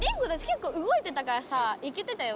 けっこう動いてたからさいけてたよ。